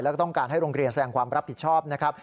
แล้วก็ต้องการให้โรงเรียนแสดงความรับผิดชอบนะครับ